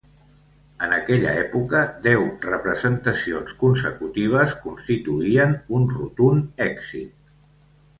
En aquella època, deu representacions consecutives constituïen un rotund èxit.